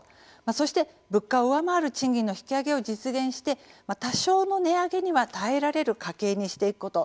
そして、物価を上回る賃金の引き上げを実現して多少の値上げには耐えられる家計にしていくこと。